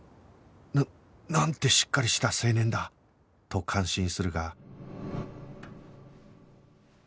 ななんてしっかりした青年だ！と感心するが